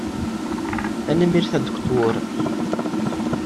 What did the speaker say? Tanemmirt a Aduktur.